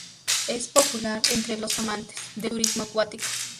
Es popular entre los amantes del turismo acuático.